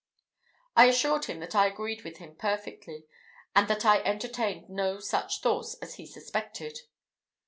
I assured him that I agreed with him perfectly, and that I entertained no such thoughts as he suspected.